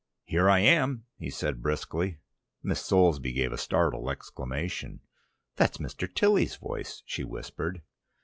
"Here I am!" he said briskly. Miss Soulsby gave a startled exclamation. "That's Mr. Tilly's voice!" she whispered.